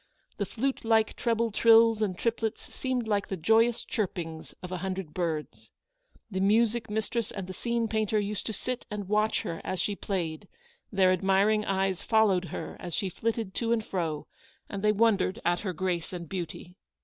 The flute like treble trills and triplets seemed like the joyous chirpings of a hundred birds. The music mistress and the scene painter used to sit and watch her as she played ; their admiring eyes followed her as she flitted to and fro, and they wondered at her grace and beauty.